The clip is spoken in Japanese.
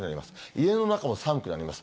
家の中も寒くなります。